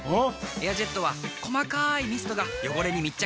エアジェットは細かいミストが汚れに密着！